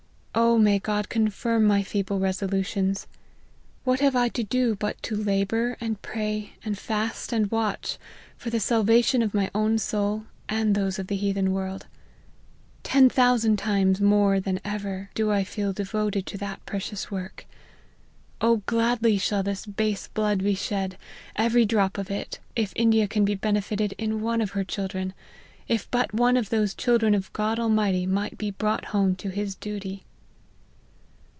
O may God confirm my feeble resolutions ! What have I to do but to labour, and pray, and fast, and watch, for the salvation of my own soul, and those of the heathen world. Ten thousand times more than ever do I feel devoted to LIFE OF HENRY MARTVN. 47 that precious work. O gladly shall this base blood be shed, every drop of it, if India can be benefited in one of her children ; if but one of those children of God Almighty might be brought home to his duty."